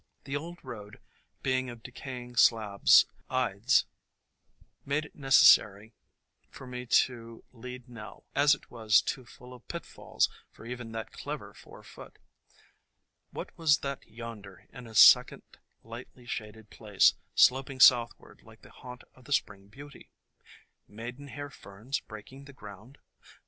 The old road, being of decay ing slabs ides , made it necessary for me to lead Nell, as it was too full of pit falls for even that clever four foot. What was that yonder, in a second lightly shaded place, sloping southward like the haunt of the Spring Beauty? Maidenhair Ferns breaking the ground